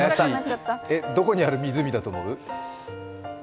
どこにある湖だと思う？